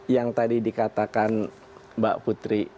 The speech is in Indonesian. yang tadi dikatakan mbak putri